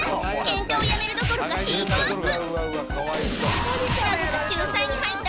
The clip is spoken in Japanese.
ケンカをやめるどころかヒートアップ！